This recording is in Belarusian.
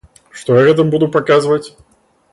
Што я гэтым буду паказваць?